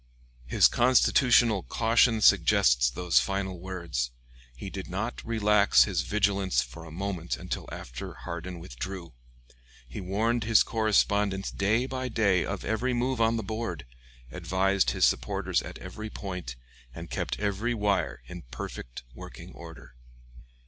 His constitutional caution suggests those final words. He did not relax his vigilance for a moment until after Hardin withdrew. He warned his correspondents day by day of every move on the board; advised his supporters at every point, and kept every wire in perfect working order.